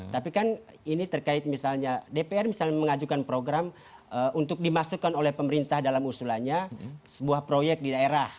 tapi kan ini terkait misalnya dpr misalnya mengajukan program untuk dimasukkan oleh pemerintah dalam usulannya sebuah proyek di daerah